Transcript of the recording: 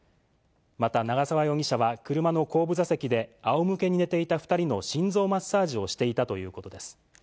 また長沢容疑者は、車の後部座席で、あおむけに寝ていた２人の心臓マッサージをしていたということです。